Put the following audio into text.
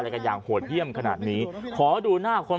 ชาวบ้านญาติโปรดแค้นไปดูภาพบรรยากาศขณะ